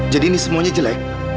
jadi ini semuanya jelek